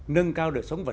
nâng cao đời sống vật